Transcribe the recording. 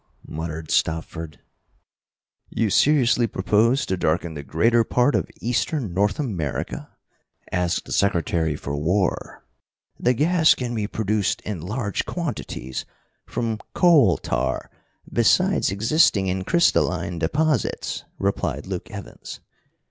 muttered Stopford. "You seriously propose to darken the greater part of eastern North America?" asked the Secretary for War. "The gas can be produced in large quantities from coal tar besides existing in crystalline deposits," replied Luke Evans.